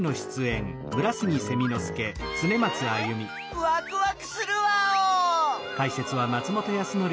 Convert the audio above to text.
わくわくするワオ！